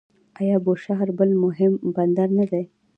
آیا بوشهر بل مهم بندر نه دی؟